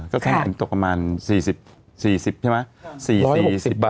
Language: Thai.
ก็ต้องตกประมาณ๔๐ใช่ไหม